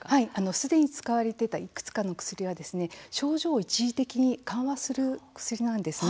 すでに使われてたいくつかの薬は、症状を一時的に緩和する薬なんですね。